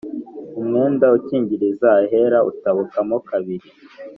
Umwenda ukigirije ahera utbukamo kabiri